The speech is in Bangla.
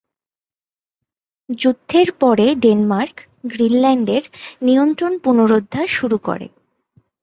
যুদ্ধের পরে ডেনমার্ক গ্রিনল্যান্ডের নিয়ন্ত্রণ পুনরুদ্ধার শুরু করে।